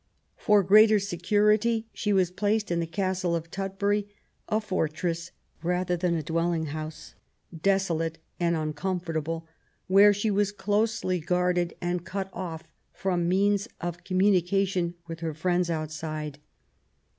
For greater security she was placed in the Castle of Tutbury, a fortress rather than a dwelling house, desolate and uncom fortable, where she was closely guarded and cut off from means of communication with her friends outside.